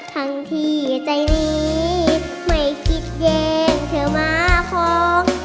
ทั้งที่ใจนี้ไม่คิดแย่งเธอมาพร้อม